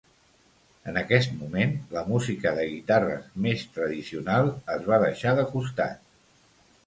En aquest moment, la música de guitarres més tradicional es va deixar de costat.